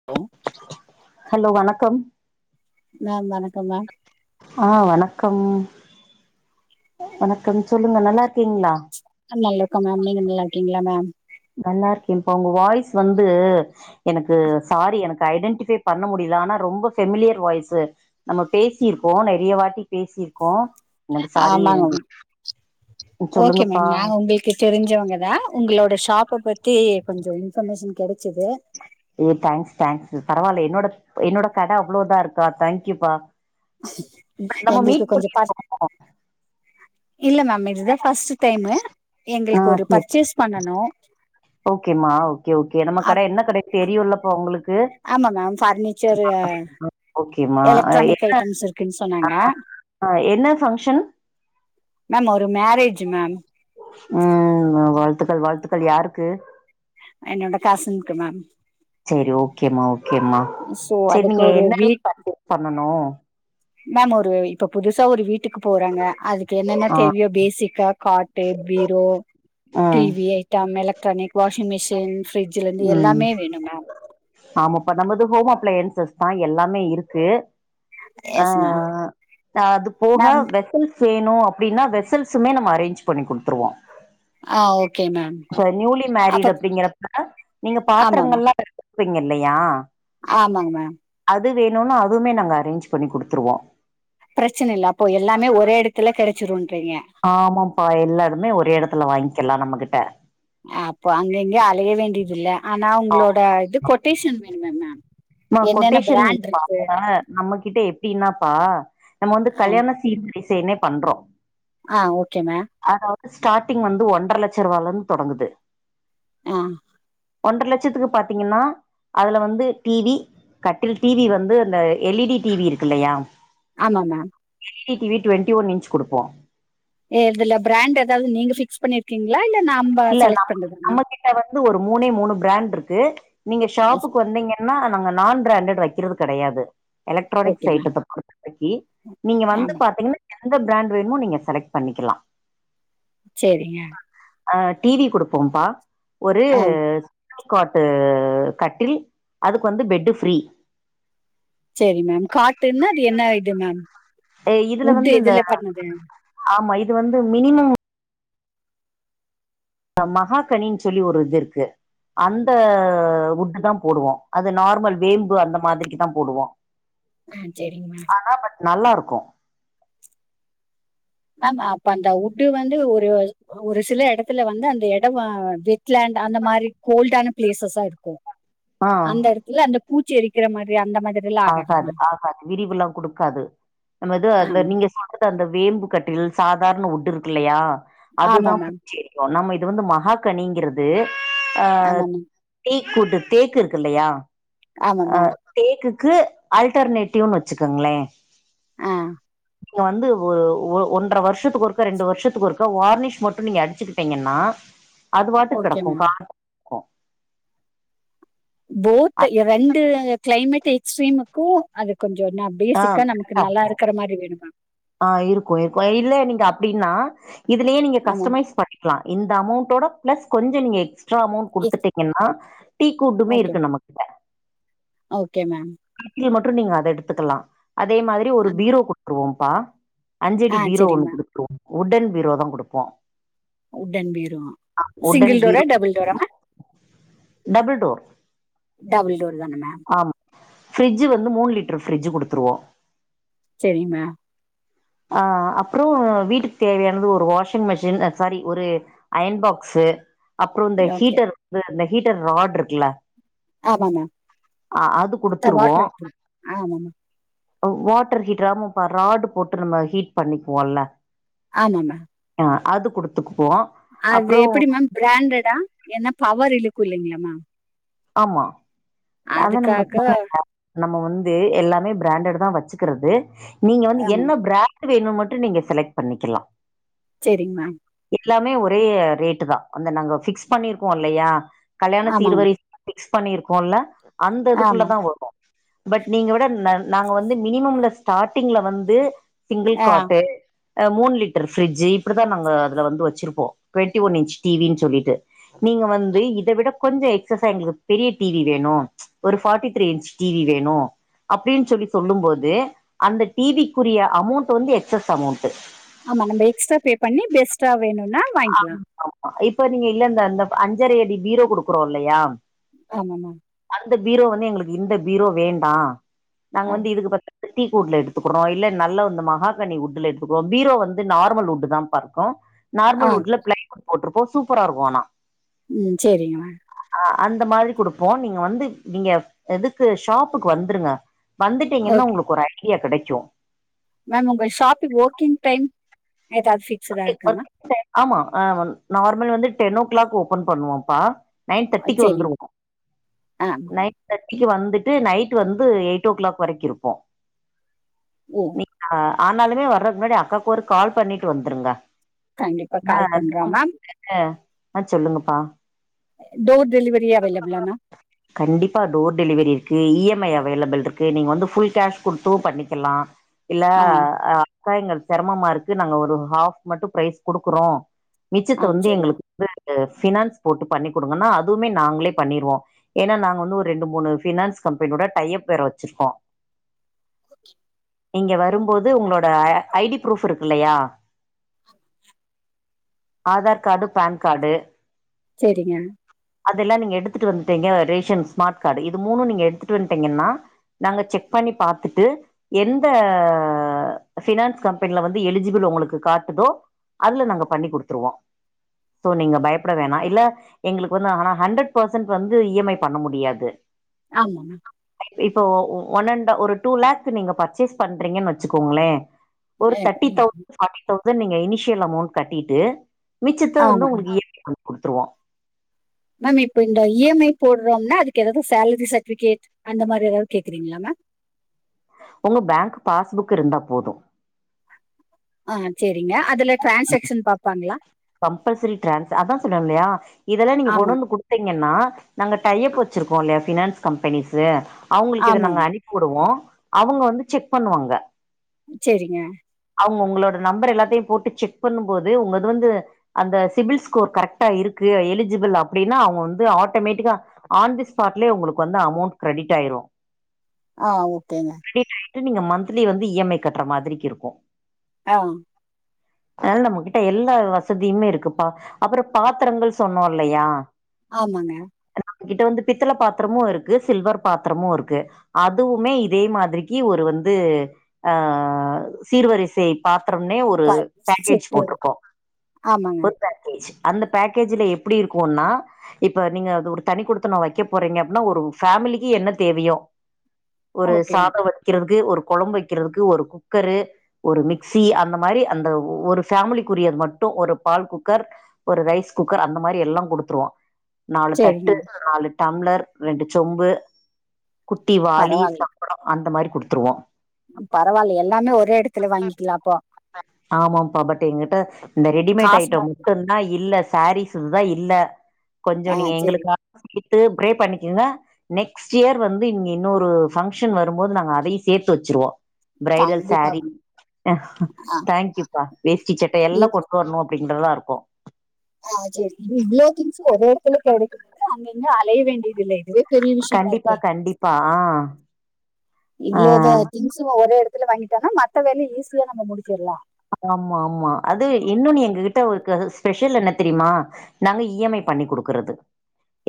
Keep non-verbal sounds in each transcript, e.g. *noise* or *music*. *unintelligible* Hello வணக்கம் ma'am வணக்கம் ma'am ஆ வணக்கம் வணக்கம் சொல்லுங்க நல்லா இருக்கீங்களா நல்லா இருக்க மேம் நீங்க நல்லா இருக்கீங்களா மேம் நல்லா இருக்கே பா உங்க வாய்ஸ் வந்து எனக்கு சாரி எனக்கு ஐடென்டிஃபை பண்ண முடியல ஆனா ரொம்ப ஃபெமிலியர் வாய்ஸு நம்ம பேசியிருப்போ நறைய வாட்டி பேசியிருக்கோ எனக் சாரி ஆமாங்க எனுகு மேம் சொல்லுங்க பா க்குதெரிஞ்சவங்க தா உங்களோட ஷாப்ப பத்தி கொஞ்ஜோ இன்ஃபர்மேஷன் கடச்சது ஏ தேங்க்ஸ் தேங்க்ஸ் பரவாயில்ல என்னோட என்னோட கட அவ்ளோ இதா இருக்கா தேங்க்யூபா எங்ளுக்கு கொஞ்ச பஸ் இல்ல மேம் இ இதுதான் ஃபர்ஸ்ட்டு டைமு எங்களுக்கு ஒரு பர்ச்சேஸ் பண்ணனும் ஓகே மா ஓகே ஓகே நம்ம கடை அப் என்ன கடை தெரியும் லப்பா உங்களுக்கு ஆமா மேம் ஃபர்னிச்சர் ஓகேமா எலக்ட்ரானிக் ஐட்டம்ஸ் இருக்குன்னு சொன்னாங்க அஹ் என்ன ஃபங்ஷன் மேம் ஒரு மேரேஜ் மேம் ம் வாழ்த்துக்கள் வாழ்த்துக்கள் யாருக்கு என்னோட கசின் கு மேம் சேரி ஓகேம்மா ஓகேம்மா சோ சேரி அதுக்கு நீங்க ஒரு என்ன வீட் ஃபராசஸ் பண்ணனும் மேம் ஒரு இப்ப புதுசா ஒரு வீட்டுக்கு போறாங்க அதுக்கு என்னென்ன ஆ தேவையோ பேசிக்கா கார்ட்டூ பீரோ ம் TV item electronic washing machine fridge ல இருந்து எல்லாமே வேணும் மேம் ஆமாப்ப நமது ஹோம் அப்ளையன்சஸ் தான் எல்லாமே இருக்கு எஸ் மேம் ஆஹ் அது போக மேம் வெசல்ஸ் வேணும் அப்படின்னா வெசல்சுமே நம்ம அரேஞ்ச் பண்ணி கொடுத்துருவோம் அஹ் ஓகே மேம் நியூலி அப்ப மேரிட் அப்படிங்கறப்ப நீங்க ஆமா மேம் பாத்திரங்கள்லாம் எடுத்துவீங்க இல்லையா ஆமாங்க மேம் அது வேணும்னா அதுவுமே நாங்க அரேஞ்ச் பண்ணி கொடுத்துருவோம் பிரச்சன இல்ல அப்போ எல்லாமே ஒரே இடத்துல கெடைச்சிரும்ன்றீங்க ஆமாப்பா எல்லாருமே ஒரே இடத்துல வாங்கிக்கலாம் நம்மகிட்ட அப்போ அங்க அங்கே அலைய வேண்டியது இல்ல ஆனா உங்களோட இது கொட்டேஷன் வேணுமே மேம் மா என்னென்ன கொட்டேஷன் பிராண்ட் இப்ப இருக்கு நம்ம கிட்ட எப்படின்னாப்பா நம்ம வந்து ம். கல்யாண டிசைனே பண்றோம் ஆ ஓ கே மேம் அதாவது ஸ்டார்டிங் வந்து ஒன்றரை லட்சம் ரூபாய்ல இருந்து தொடங்குது ஆ ஒன்ற லட்சத்துக்கு பாத்தீங்கன்னா அதுல வந்து டி வி கட்டில் டி வி வந்து இந்த L E D T V இருக்கு இல்லையா ஆமாமா L E D T V twenty one inch குடுப்போம் ஏ இதுல பிராண்ட் எதாவ்து நீங்க ஃபிக்ஸ் பண்ணிருக்கீங்ளா இல்ல நம்ப செலக்ட் பண்றதுங்ளா இங்க வந்து ஒரு மூணே மூணு பிராண்ட் இருக்கு நீங்க எஸ் ஷாப்புக்கு வந்தீங்க ஏன்னா நாங்க நான் பிராண்டட் வெக்கிறது கெடையாது ஓகே எலக்ட்ரானிக்ஸ் மேம் ஐட்டத்த பொறுத்த வரைக்கி நீங்க வந்து ஆமா மேம் பாத்தீங்ன்னா எந்த பிராண்ட் வேணுமோ நீங்க செலக்ட் பண்ணிக்கலா சேரிங்க ஆ டி வி கொடுப்போம்ப்பா ஒரு ஆ க்காட்டு கட்டில் அதுக்கு வந்து பெட்டு ஃப்ரீ சேரி மேம் காட்டுன்னா அது என்ன இது மேம் இதுல உட்டு வந்து இந்த எதுல பண்ணது ஆமா இது வந்து மினிமம் அ மகா கனின்னு சொல்லி ஒரு இது இருக்கு அந்த உட் தான் போடுவோம் அது நார்மல் வேம்பு அந்த மாதிரிக்கு தான் போடுவோம் ஆ சேரிங்க மேம் ஆ பட் நல்லா இருக்கும் மேம் அப்ப அந்த உட்டு வந்து ஒரு ஒரு சில எடத்துல வந்து அந்த இடம் வ லாண்ட் அந்த மாரி கோல்டான பிளேசஸா இருக்கும் ஆ அந்த எடத் இல்ல அந்த பூச்சி எரிக்கிற மாதிரி அந்த மாதிரி எல்லாம் ஆகாதா ஆகாது மேம் ஆகாது விரிவுல்லாம் கொடுக்காது நம்ம இது அந்த ஆமா நீங்க து அந்த வேம்பு கட்டில் சாதாரண உட்டு இருக்கு இல்லையா ஆமா அதுதான் மேம் நம்ம இது வந்து மஹா கனிங்கிறது அ ஆமா மேம் டீக் உட்டு தேக்கு இருக்கு இல்லையா ஆமா அ மேம் தேக்கு க்கு ஆல்டர்னேட்டிவ்ன் வெச்சுக்கங்ளே ஆ இப்போ வந்து ஒ ஒ ஒன்ற வருஷத்துக்கு ஒருக்க ரெண்டு வருஷத்துக்கு ஒருக்க வார்னிஷ் மட்டு நீங்க அடிச்சுக்கிட்டீங்கன்னா அது பாட்டுக் ஓகே கெடக்கு மேம் கா போத் ரெண்டு கிளைமேட் எக்ஸ்ட்ரீமுக்கு அது கொஞ்சோ நா ஆ பேசிக்கா நமக்கு கரெக்டா நல்லா இருக்கிற மாரி வேணு மேம் ஆ இருக்கும் இருக்கும் இல்ல நீங்க அப்டின்னா இதுலயே நீங்க ஆமா மேம் கஸ்டமைஸ் பண் க்லா இந்த அமவ்ண்டோட பிளஸ் கொஞ்சோ நீங்க எக்ஸ் ஸ்ட்ரா அமவ்ண்ட் எஸ் குடுத்துட்டீங்கன்னா டீக் உட்டுமே ஓகே மேம் இருக்கு நம்ம கிட்ட ஓகே மேம் டி வி ய மற்றும் நீங்க அத எடுத்துக்கலா அதே மாதிரி ஒரு பீரோ குடுத்துருவோம்ப்பா அஞ்சடி ஆ பீரோ சரிங்க ஒன்னு மேம் குடுத்ருவோ உட்டன் பீரோ தா குடுப்போ உட்டன் பீரோ உட்டன் சிங்கிள் டோரா பீரோ டபுள் டோரா ma'am double door double door தான மேம் ஆமா ஃப்ரிஜ்ஜி வந்து மூண் லிட்டர் ஃப்ரிஜ்ஜி குடுத்துருவோ செரி மேம் அ அப்புறம் வீட்டுக்கு தேவையானது ஒரு வாஷிங் மிஷின் அ சாரி ஒரு அயன் பாக்ஸ்ஸு அப்புறம் இந்த ஓகே. ஹீட்டர் வந்து அந்த ஹீட்டர் ரார்ட் இருக்குல ஆமா மேம். அ அது த குடுத்துருவோ வாட்டர் இருக்கு. ஆமா மேம். வாட்ரு ஹீட்ரு ஆமாப்பா ரார்டு போட்டு நம்ம ஹீட் பண்ணிக்குவோம்ல ஆமா மேம் டோ அதுக் குடுத்துக்போ அது எப்படி மேம் பிராண்டடா ஏன்னப் பவர் இழுக்கு இல்லைங்ளா மேம் ஆமா அதா நம்ள அதுக்காக *unintelligible* நம்ம வந்து எல்லாமே பிராண்டடுதா வெச்சுக்கிறது நீங்க வந்து ஆமா என்ன மேம். பிராண்ட் டு வேணு மட்டு நீங்க செலக்ட் பண்ணிக்கிர்லா செரிங் மேம் எல்லாமே ஒரே ரேட்டுதா அந்த நாங்க ஃபிக்ஸ் பண்ணிருக்கோ இல்லையா கல்யாண ஆமா மேம். சீர்வரிச் ஃபிக்ஸ் பண்ணிருக்கோல்ல அந்த ஆமா இதுக்குள்ளதா மேம். வரு பட் நீங்க விட நன் நாங்க வந்து மினிமம்ல ஸ்டார்டிங்ல வந்து சிங்கிள் ஆ. காட்டு அ மூன் லிட்டர் ஃபிரிஜ்ஜி இப்டிதா நாங்க அதுல வந்து வெச்சிருப்போ டுவெண்டி ஒன் இன்ச் டிவின் சொல்லிட்டு நீங்க வந்து இத விடக் கொஞ்சோ எக்ஸசா எங்ளுகு பெரிய டி வி வேணு ஒரு forty three inch T V வேணு அப்டின் சொல்லி சொல்லும் போது அந்த டி வி க்குரிய அமவ்ண்ட் வந்து எக்ஸஸ் அமவ்ண்ட்டு ஆமா நம்ம எக்ஸ்ட்ரா பே பண்ணி பெஸ்டா வேணும்னா வாங்கிக்கலாம். ஆமா இப்ப நீங்க இல்ல இந்த அந்த அஞ்சரை அடி பீரோ குடுக்குறோம் இல்லையா ஆமா மேம் அந்த பீரோ வந்து எங்களுக்கு இந்த பீரோ வேண்டா நாங்க ஆ. வந்து இதுக்கு பத் *inaudible* டீக் உட்ல எடுத்துக்குறோ இல்ல நல்ல வந்து மகாக கனி உட்டுல எடுத்து பீரோ வந்து நார்மல் உட்டு தான்ப்பா இருக்கோ ஆ. நார்மல் உட்ல பிளைவுட் போட்ருப்போ சூப்பரா இருக்கும் ஆனா ம் செரிங் மே அ அந்த மாரி குடுப்போ நீங்க வந்து நீங்க எதுக்கு ஷாப்புக்கு வந்துருங்க வந்துட்டீங்கன்னா ஓகே. உங்களுக்கு ஒரு ஐடியா கெடைக்கு மேம் உங்க ஷாப்பி ஓக்கிங் டைம் *unintelligible* மேம்? ஆமா அ வன் நார்மல் வந்து டென் ஓக் கிளாக் ஓப்பன் பண்ணுவோம்ப்பா நைன் தெர்ட்டிக்கு சரிங்க. வந்துருவோ ஆ மேம். நைன் தட்டிகு வந்துட்டு நைட் வந்து எயிட் ஓக் கிளாக் வரைக்கு இருப்போ ஓ ஆ ஆனாலுமே வர்றது முன்னாடி அக்காக்கு ஒரு கால் பண்ணிட்டு வந்துருங்க கண்டிப்பா கால் பண்றோம் மேம். *unintelligible* ஆ சொல்லுங்கப்பா டோர் டெலிவரி அவைலெபுலா மே கண்டிப்பா டோர் டெலிவரி இருக்கு இ எம் ஐ அவைலெபுள் ருக்கு நீங்க வந்து ஃபுல் கேஷ் குடுத்து பண்ணிக்கலா இல்ல ஆ. அக்கா எங்கள் சிரமமா இருக்கு நாங்க ஒரு ஹாஃப் மட்டுப் பிரைஸ் குடுக்குறோ மிச்சத்த ஆ வந்து சரிங்க. எங்களுக்கு வந்து ஃபினான்ஸ் போட்டுப் பண்ணி குடுங்கன்னா அ துமே நாங்ளேப் பண்ணிருவோ எனா நாங்க வந்து ஒரு ரெண்டு மூனு ஃபினான்ஸ் கம்பெனியோட டையப் வேற வெச்சிருக்கோ நீங்க வரும்போது உங்ளோட அ ஐ டி ப்ரூஃப் இருக்கு இல்லையா ஆதார் கார்டு பான் கார்டு செரிங்க அதெல்லா நீங்க எடுத்துட்டு வந்துட்டீங்க ரேஷன் ஸ்மார்ட் கார்டு இது மூனு நீங்க எடுத்துட்டு வந்ட்டீங்கன்னா நாங்க செக் பண்ணி பாத்துட்டு எந்த ஃபினான்ஸ் கம்பெனில வந்து எலிஜிபிள் ஒங்களுக்கு காட்டுதோ அதுல நாங்க பண்ணி குடுத்துருவோ சோ நீங்க பயப்பட வேணா இல்ல எங்குளுக் ஒன்னு ஹானா ஹண்ட்ரட் பெர்ஸன்ட் வந்து இ எம் ஐ பண்ண முடியாது ஆமாங்க இப்போ ஒ ஒ ஒன் அண்ட்டா ஒரு டூ லேக்கு நீங்க பர்ச்சேஸ் பண்றீங்கன் வெச்சுகோங்ளே ஒரு ma'am. Thirty thousand forty thousand நீங்க இனிஷியல் அமௌண்ட் கட்டிட்டு மிச்சத்த வந்து ஆமா ஒங்குளுக்கு இ எம் ஐ பண்ணி குடுத்துருவோ மேம் இப்போ இந்த இ எம் ஐ போடுறோம்னா அதுக்கு எதாது சேலரி சர்டிஃபிகேட் அந்த மாரி எதாவ் கேக்குறீங்ளா மேம் ஒங்க பேங்க் பாஸ்புக் இருந்தா போது ஆ செரிங்க அதுல டிரான்செக்ஷன் பாப்பாங்ளா கம்பல்சரி டிரான்ஸ் அதா சொன்னேல்லயா இதெல்லா நீங்க ஆமாங்க கொண்ணந்து குடு தீங்கன்னா நாங்க டையப் வச்சிருக்கோல்லயா ஃபினான்ஸ் கம்பெனிஸு அவுங்களுக்கு இத நாங்க ஆமாம்மா அனுப் புடுவோ அவுங்க வந்து செக் பண்ணுவாங்க செரிங்க அவுங்க உங்ளோட நம்பர் எல்லாத்தையு போட்டு செக் பண்ணும்போது உங்கது வந்து அந்த சிபில் ஸ்கோர் கரெக்ட்டாருக்கு எலிஜிபிள் அப்டின்னா அவுங்க வந்து ஆட்டோமேட்டிக்கா ஆன் தி ஸ்பாட்லே உங்களுக்கு வந்து அமௌண்ட் கிரெடிட்டாயிரு ஆ ஓகேங்க கிரெடிட்டாய்ட்டு நீங்க மன்த்லி வந்து இ எம் ஐ கட்ற மாதிரிகிருக்கு ஆ அதனால நம்மகிட்ட எல்லா வசதியுமே இருக்குப்பா அப்றோ பாத்தரங்கள் சொன்னோல்லயா ஆமாங்க நம்ம கிட்ட வந்துப் பித்தள பாத்ரமு இருக்கு சில்வர் பாத்ரமு இருக்கு அதுவுமே இதே மாதிரிக்கி ஒரு வந்து அ சீர்வரிசை பாத்ரோம்னே ஒரு ப பேக்கேஜ் செட்டு போட்ருக்கோ ஆமாங்க பேக்கேஜ் அந்த பேக்கேஜூல எப்டி இருக்குன்னா இப்ப நீங்க அது ஒரு தனி குடுத்துனோ வெக்கப் போறீங்க அப்டின்னா ஒரு ஃபேமிலிக்கு என்னத் தேவையோ ஒரு ஓகே சாதோ வ க்கிறதுக்கு ஒரு கொழம்பு வக்கிறதுக்கு ஒரு குக்கரு ஒரு மிக்ஸி அந்த மாரி அந்த ஒரு ஃபேமிலிக்குரியது மட்டு ஒரு பால் குக்கர் ஒரு ரைஸ் குக்கர் அந்த மாரி எல்லா குடுத்துருவா நாலு தட்டு சரிங்க நாலு டம்ளர் ரெண்டு சொம்பு குட்டி வாளி ப்றோ அந்த மாரி குடுத்துருவோ பரவால்ல எல்லாமே ஒரே எடத்துல வாங்கிக்லா அப்போ ட்டு என்கிட்ட இந்த ரெடிமேட் காசு ஐட்டோ மட்டும் மட்டுந்தா இல்ல சாரீஸ்தா இல்ல கொஞ்சோ ஆ நீங்க சரி எங்களுக்காக சேத்து ப்ரே பண்ணிக்குங்க நெக்ஸ்ட்டியர் வந்து இங்க இன்னொரு ஃபங்ஷன் வரும்போது நாங்க அதயி சேத்து வச்சுருவோ பிரைடல் சாரீ கண்டிப்பாக ஆ தேங்க்யூப்பா வேஷ்டி சட்ட எல்லா இ- கொ வர்னு அப்டின்றதுலா இருக்கு ஆசெரி இவ்ளோ திங்ஸு ஒரே எடத்துல கெடைக்கும்போது அங்க இங்க அலைய வேண்டிதில்ல இதுவே பெரிய கண்டிப்பா விஷ்யமாருக்கே கண்டிப்பா ஆ ஆ இவ்ளோத திங்ஸுமா ஒரே எட த்துல வாங்கிட்டோனா மத்த வேல ஈஸியா நம்ம முடிச்சிட்லா ஆமாமா அது இன்னு நீ எங்ககிட்ட இருக்க ஸ்பெஷல் என்ன தெரிமா நாங்க இ‌ எம் ஐ பண்ணி குடுக்குறது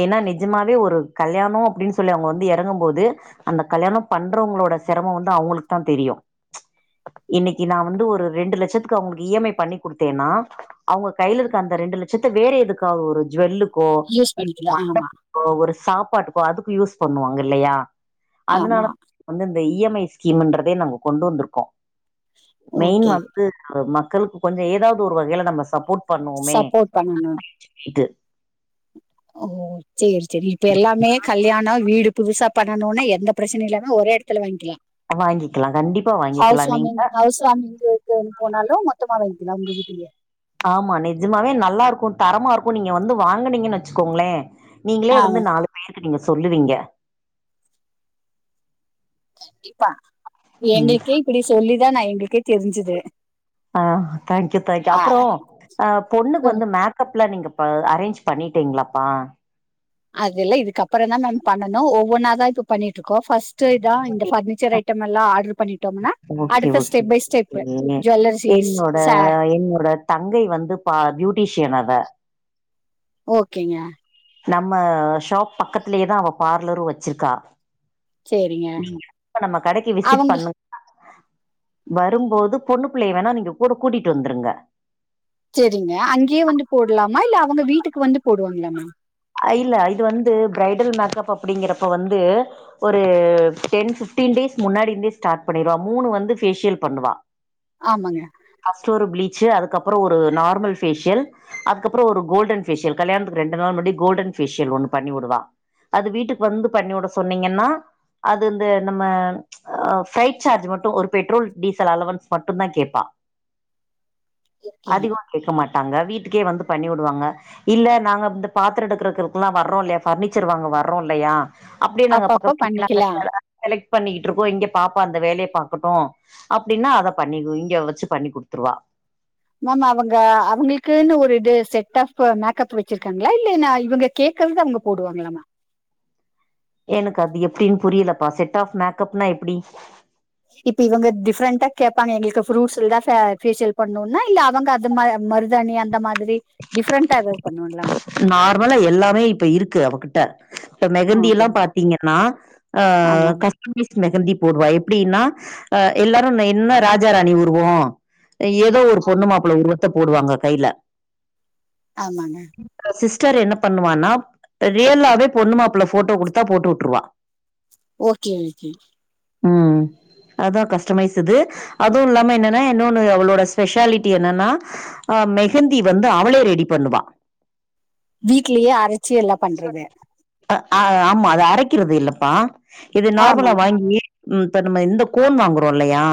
ஏனா நெஜமாவே ஒரு கல்யாணோ அப்டின் சொல்லி அவுங்க வந்து எறங்கம் போது அந்த கல்யாணோ பண்றோங்களோட செரமோ வந்து அவுங்களுக்கு தா தெரியு இன்னிக்கி நா வந்து ஒரு ரெண்டு லட்சத்துக்கு அவுங்களுக்கு இ எம் ஐ பண்ணி குடுத்தேன்னா அவுங்க கைலருக்க அந்த ரெண்டு லட்சத்த வேற எதுக்காவ் ஒரு ஜுவெல்லு க்கோ யூஸ் பண்ணிக்கலாம் ஆமா மண்டபத்துக்கோ ஒரு சாப்பாட்டுக்கோ அதுக்கு யூஸ் பண்ணுவாங்க இல்லயா அதனால ஆமா வந்து இந்த இ எம் ஐ ஸ்கீம்ன்றதே நாங்க கொண்டு வந்துருக்கோ மெயின் ஓகே வந்து மக்களுக்கு கொஞ்சோ ஏதாவ்து ஒரு வகைல நம்ம சப்போர்ட் பண்ணுவோமே சப்போர்ட் பண்ணணும் இது ஓ சேர் செரி இப்ப எல்லாமே கல்யாணோ வீடு புதுசா பண்ணணூனு எந்த பிரச்சனையில்லனா ஒரே எடத்துல வாங்கிக்கலா வாங்கிக்கலா கண்டிப்பா வாங்கிக்கலா நீங்க பேமிலிக்காகன் போனாலு மொத்தமா வாய்ங்க்கலா அவுங்க கிட்டயே ஆமா நெஜமாவே நல்லாருக்கு தரமாருக்கு நீங்க வந்து வாங்கனீங்கன் வச்சிக்கோங்ளே நீங்களே வந்து ஆமா நாலு பேருக்கு நீங்க சொல்லுவீங்க கண்டிப்பா ம் எங்களுக்கே இப்படி சொல்லிதா நா எங்களுக்கே தெரிஞ்சுது ஆ தங்க்யூ தங்க்யூ அப்புறோ ஆ பொண்ணுக்கு வந்து மேக் கப்லா நீங்க ப அரேஞ்ச் பண்ணிட்டீங்ளாப்பா அதுல்லா இதுக்கப்பறோந்தா மேம் பண்ணனு ஒவ்வொன்னாதா இப்ப பண்ணிட்ருக்கோ ஃபர்ஸ்ட்டு இதா இந்த பர்னிச்சர் ஐட்டம் எல்லா ஆர்ட்ரு பண்ணிட்டோம்னா ஓகே ஓகே அடுத்த ஸ்டெப் பை ஸ்டெப்பு ஓகே ஜுவல்லர்சீஸ் என்னோட ச *unintelligible* தங்கை வந்து பா பியூட்டீஷியன் அவ ஓகேங்க நம்ம ஷாப் பக்கத்துலயேதா அவ பார்லரு வச்சிருக்கா சேரிங்க ம் இப்ப நம்ம கடைக்கி விசிட் அவங்க பண்ணு வரும்போது பொண்ணு புள்ளைய வேணா நீங்க கூட கூட்டிட்டு வந்துருங்க சேரிங்க அங்கே வந்து போட்லாமா இல்ல அவுங்க வீட்டுக்கு வந்து போடுவாங்ளா மேம் ஆ இல்ல இது வந்து பிரைடல் மேக்கப் அப்டிங்கறப்ப வந்து ஒரு டென் ஃபிவ்டின் டேஸ் முன்னாடிந்தே ஸ்டார்ட் பண்ணிருவா மூணு வந்து ஃபேஷியல் பண்ணுவா ஆமாங்க ஃபர்ஸ்ட்டு ஒரு ப்ளீச்சு அதுக்கப்றோ ஒரு நார்மல் ஃபேஷியல் அதுக்கப்றோ ஒரு கோல்டன் ஃபேஷியல் கல்யாணத்துக்கு ரெண்டு நாள் முன்னாடி கோல்டன் ஃபேஷியல் ஒன்னு பண்ணி வுடுவா அது வீட்டுக்கு வந்து பண்ணிவுட சொன்னீங்கன்னா அதிந்த நம்ம ஆ பிளைட் சார்ஜ் மட்டு ஒரு பெட்ரோல் டீசல் அலவன்ஸ் மட்டுந்தா கேப்பா ஓகேங்க அதிகமா கேட்க மாட்டாங்க வீட்டுக்கே வந்து பண்ணிவுடுவாங்க இல்ல நாங்க வந்து பாத்துரோ எடுக்குறக்கிருக்குலா வர்றோ இல்லையா பர்னிச்சர் வாங்க வர்ரோ இல்லையா அப்டியே நாங்க அப்ப அப்ப பக்கத் பண்ணிக்கலா *unintelligible* செலெக்ட் பண்ணிகிட்ருக்கோ இங்க பாப்பா அந்த வேலைய பாக்கட்டூ அப்டின்னா அத பண்ணிக்கு இங்க வச்சி பண்ணி குடுத்துருவா மேம் அவங்க அவங்களுக்கூனு ஒரு இது செட் ஆஃபு மேக்கப் வச்சிருக்காங்ளா இல்லைனா இவங்க கேக்கறது அவங்க போடுவாங்கலாமா எனக்கு அது எப்டீன் புரியலப்பா செட்டாஃப் மேக்கப்னா எப்டி இப்ப இங்க டிஃப்ரெண்டா கேப்பாங்க எங்களுக்கு ஃப்ரூட்ஸுல்தா ச ஃபேஷியல் பண்ணணூனா இல்ல அவங்க இந்த ம மருதணி அந்த மாதிரி டிஃப்ரெண்டா எதாது பண்ணுவாங்கலாமா நார்மலா எல்லாமே இப்ப இருக்கு அவகிட்ட இப்ப மெகந்தி ஓகே எல்லா பாத்தீங்கன்னா ஆ ஆமாங்க கஸ் *unintelligible* மெகந்தி போடுவா எப்டின்னா ஆ எல்லாரு ந என்ன ராஜா ராணி உருவோ ஏதோ ஒரு பொண்ணு மாப்புள உருவத்த போடுவாங்க கைல ஆமாங்க சிஸ்டர் என்ன பண்ணுவானா ரியல்லாவே பொண்ணுமாப்புள போட்டோ குடுத்தா போட்டுவுட்ருவா ஓகே ஓகே உம் அதா கஸ்டமைஸ் இது அதுவு இல்லாம என்னனா இன்னோனு அவளோட ஸ்பெஷாலிட்டி என்னனா ஆ மெஹந்தி வந்து அவளே ரெடி பண்ணுவா வீட்லயே அரச்சி எல்லாப் அ ஆ ஆமா அத அரைக்கிறது இல்லப்பா இது நார்மலா ஆமாங்க வாங்கி ம் தொன்ன மாரி இந்த கோன் வாங்குறோ இல்லையா